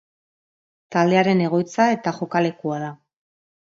Taldearen egoitza eta jokalekua da.